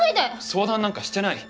相談なんかしてない。